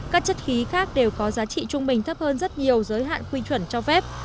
các chất khí khác đều có giá trị trung bình thấp hơn rất nhiều giới hạn quy chuẩn cho phép